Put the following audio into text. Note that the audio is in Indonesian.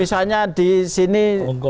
misalnya di sini